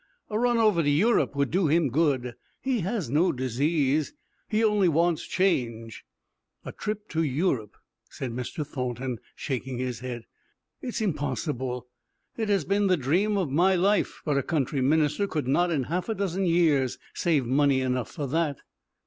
"A run over to Europe would do him good. He has no disease; he only wants change." "A trip to Europe," said Mr. Thornton, shaking his head. "It is impossible. It has been the dream of my life, but a country minister could not, in half a dozen years, save money enough for that."